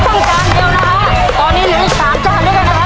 ต้องการเดียวนะฮะตอนนี้เหลืออีกสามจ้านด้วยกันนะครับ